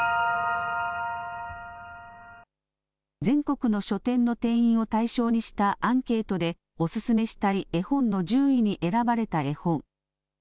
全国の書店の店員を対象にしたアンケートでおすすめしたい絵本の１０位に選ばれた絵本。